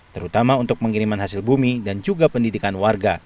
terutama untuk pengiriman hasil bumi dan juga pendidikan warga